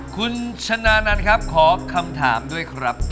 คุณชนะนันครับขอคำถามด้วยครับ